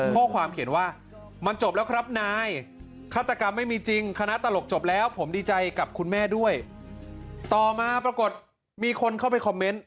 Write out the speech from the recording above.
เพราะความเขียนว่าโทษสูงสุดมันจบแล้วครับนาย